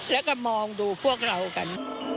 แล้วก็มองดูพวกเรากัน